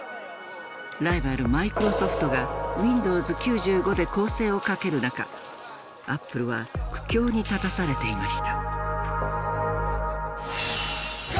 ライバルマイクロソフトがウィンドウズ９５で攻勢をかける中アップルは苦境に立たされていました。